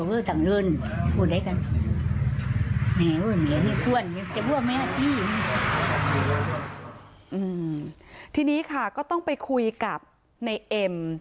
ทีนี้ค่ะก็ต้องไปคุยกับในเอ็ม